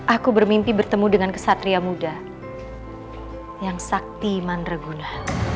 aku bermimpi bertemu dengan ksatria muda yang sakti mandraguna